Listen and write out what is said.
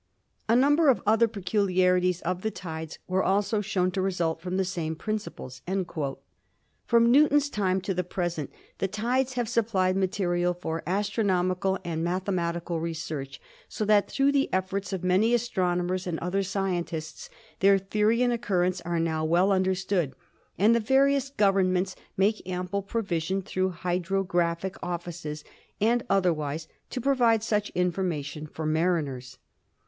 A number of other peculiarities of the tides were also shown to result from the same principles." From Newton's time to the present the tides have sup plied material for astronomical and mathematical research, so that through the efforts of many astronomers and other scientists their theory and occurrence are now well under stood, and the various governments make ample provision through hydrographic offices and otherwise to provide such information for mariners.